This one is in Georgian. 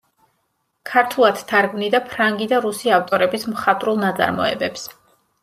ქართულად თარგმნიდა ფრანგი და რუსი ავტორების მხატვრულ ნაწარმოებებს.